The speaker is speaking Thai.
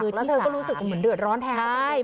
แล้วเธอก็รู้สึกเหมือนเดือดร้อนแทน